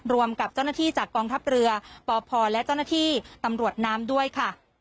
กับเจ้าหน้าที่จากกองทัพเรือปพและเจ้าหน้าที่ตำรวจน้ำด้วยค่ะ